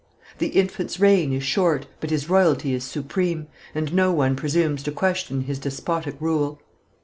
The infant's reign is short, but his royalty is supreme, and no one presumes to question his despotic rule.